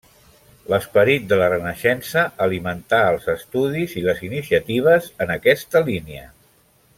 L'esperit de la Renaixença alimentà els estudis i les iniciatives en aquesta línia.